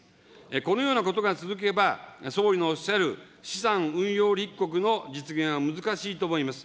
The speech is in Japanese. このようなことが続けば、総理のおっしゃる資産運用立国の実現は難しいと思います。